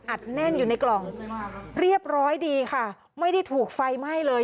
แน่นอยู่ในกล่องเรียบร้อยดีค่ะไม่ได้ถูกไฟไหม้เลย